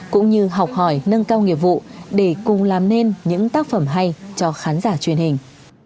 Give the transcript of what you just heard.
cũng như học hỏi nâng cao nghiệp vụ để cùng làm nên những tác phẩm hay cho khán giả truyền hình